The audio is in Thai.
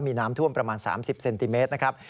มีน้ำท่วมประมาณ๓๐เซนติเมตรนะครับ